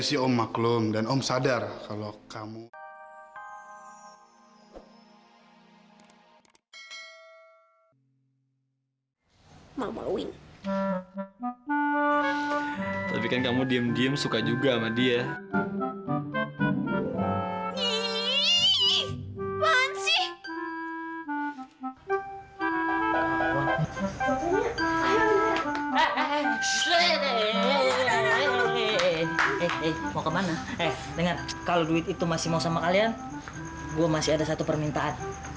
sampai jumpa di video selanjutnya